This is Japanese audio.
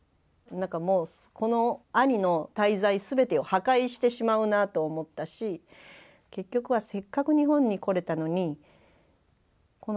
何かもうこの兄の滞在すべてを破壊してしまうなと思ったし結局はせっかく日本に来れたのにこの日本に来てまで緊張させたりね。